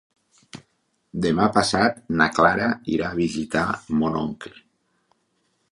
Demà passat na Clara irà a visitar mon oncle.